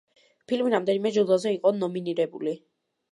ფილმი რამდენიმე ჯილდოზე იყო ნომინირებული.